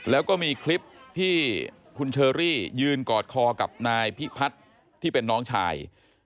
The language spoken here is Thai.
แล้วก็มีคลิปที่คุณเชอรี่ยืนกอดคอกับนายพิพัฒน์ที่เป็นน้องชาย